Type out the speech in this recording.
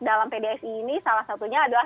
dalam pdsi ini salah satunya adalah